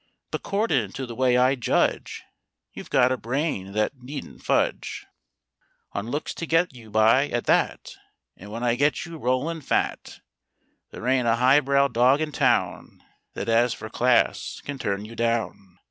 But 'cordin' to the way I judge You've got a brain that needn't fudge On looks to get you by, at that, And when I get you rollin' fat There ain't a high brow dog in town That as for "class" can turn you down!